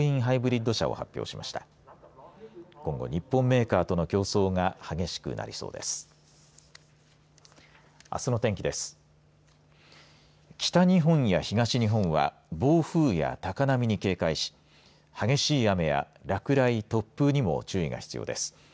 北日本や東日本は暴風や高波に警戒し激しい雨や落雷、突風にも注意が必要です。